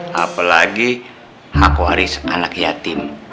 hei apalagi hak waris anak yatim